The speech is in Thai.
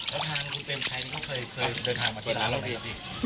แล้วทางคุณเต็มชัยนี่เขาเคยเดินทางมาที่ล่าไหมครับ